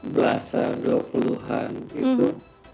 belasan dua puluh an itu